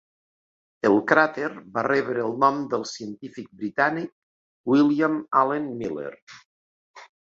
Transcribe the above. El cràter va rebre el nom del científic britànic William Allen Miller.